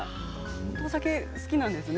本当にお酒が好きなんですね。